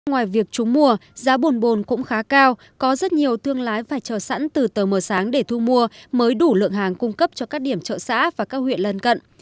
ngoài việc trúng mùa giá bùn bồn cũng khá cao có rất nhiều thương lái phải chờ sẵn từ tờ mờ sáng để thu mua mới đủ lượng hàng cung cấp cho các điểm chợ xã và các huyện lân cận